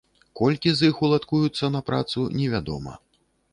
Колькі з іх уладкуюцца на працу, невядома.